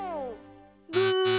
ブー！